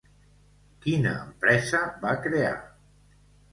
Quina empresa va crear?